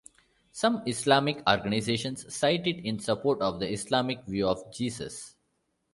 Some Islamic organizations cite it in support of the Islamic view of Jesus.